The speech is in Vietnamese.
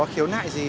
khiếu nại gì